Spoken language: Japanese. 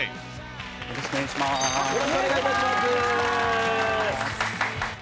よろしくお願いします。